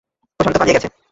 প্রশান্ত পালিয়ে গেছে।